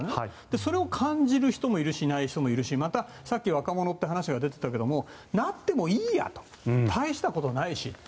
それを感じる人もいるし感じない人もいるしまた、さっき若者って話が出てたけどなってもいいやたいしたことないしって。